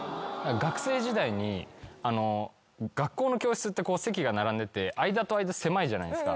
学生時代に学校の教室って席が並んでて間と間狭いじゃないですか。